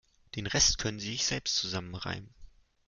Den Rest können Sie sich selbst zusammenreimen.